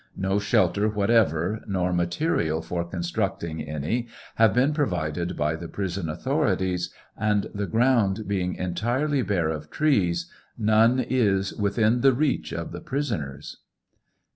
No shelter whatever nor material for constructing any have been provided by the prison authorities, and the ground being entirely bare of trees, none is within the reach of the prisoners.